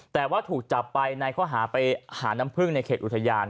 แต่ว่าถูกจับไปในข้อหาไปหาน้ำพึ่งในเขตอุทยาน